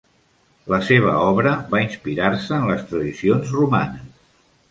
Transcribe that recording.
La seva obra va inspirar-se en les tradicions romanes.